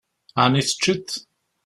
Ɛni teččiḍ?